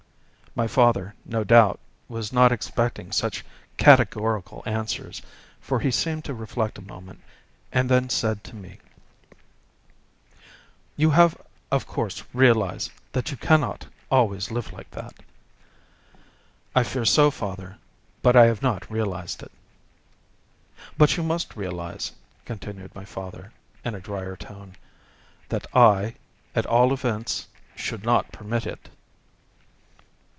My father, no doubt, was not expecting such categorical answers, for he seemed to reflect a moment, and then said to me: "You have, of course, realized that you can not always live like that?" "I fear so, father, but I have not realized it." "But you must realize," continued my father, in a dryer tone, "that I, at all events, should not permit it."